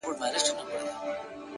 د حقیقت لټون د پوهې پیل دی,